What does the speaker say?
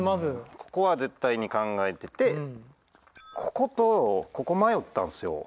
ここは絶対に考えててこことここ迷ったんですよ。